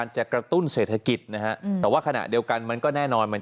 ใช่ไหมครับ